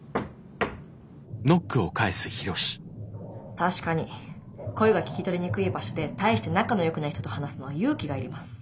確かに声が聞き取りにくい場所で対して仲のよくない人と話すのは勇気がいります。